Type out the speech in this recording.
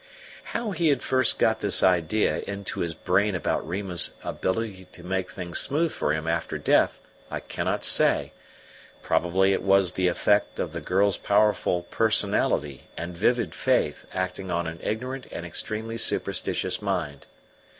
How he had first got this idea into his brain about Rima's ability to make things smooth for him after death I cannot say; probably it was the effect of the girl's powerful personality and vivid faith acting on an ignorant and extremely superstitious mind.